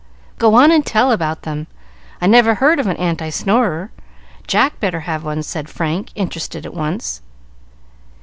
"Go on, and tell about them. I never heard of an anti snorer. Jack better have one," said Frank, interested at once.